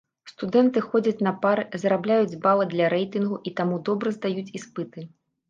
Студэнты ходзяць на пары, зарабляюць балы для рэйтынгу, і таму добра здаюць іспыты.